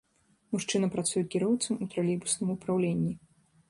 Мужчына працуе кіроўцам у тралейбусным упраўленні.